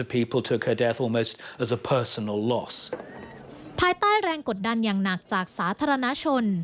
ภายใต้แรงกดดันอย่างหนักจากสาธารณชน